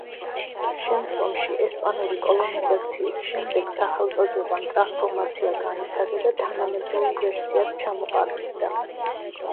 შემდგომში, ესპანური კოლონიზაციის შემდეგ, სახელწოდებამ ტრანსფორმაცია განიცადა და თანამედროვე ვერსიად ჩამოყალიბდა.